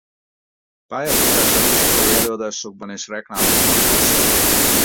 Pályafutását iskolai előadásokban és reklámokban kezdte.